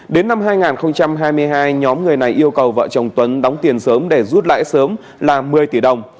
đến năm hai nghìn hai mươi hai nhóm người này yêu cầu vợ chồng tuấn đóng tiền sớm để rút lãi sớm là một mươi tỷ đồng